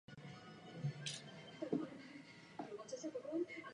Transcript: Bohužel politikům hluboce nedůvěřuji.